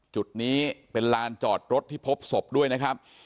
จุดนี้เป็นลานจอดรถที่พบศพด้วยนะครับ